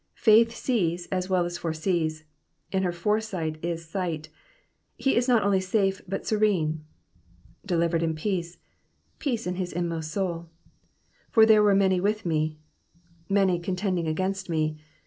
Faith sees as well as foresees ; to her fore sight is sight. He is not only safe but serene, ^^ delivered in peace'' — peace in his inmost soul. ^'•For there were many with me;'* many contending against me.